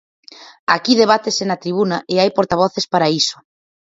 Aquí debátese na tribuna e hai portavoces para iso.